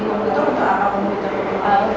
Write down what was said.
untuk apa komputer itu